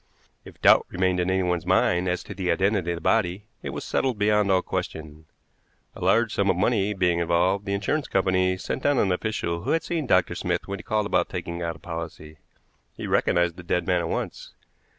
If doubt remained in anyone's mind as to the identity of the body, it was settled beyond all question. A large sum of money being involved, the insurance company sent down an official who had seen Dr. Smith when he called about taking out a policy. He recognized the dead man at once.